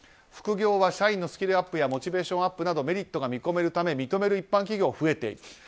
副業は社員のスキルアップやモチベーションアップなどメリットが見込めるため認める一般企業も増えている。